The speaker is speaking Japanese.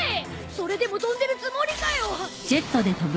それでも飛んでるつもりかよ。